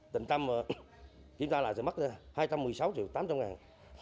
tình tâm kiếm đếm lại sẽ mất hai trăm một mươi sáu triệu tám trăm linh ngàn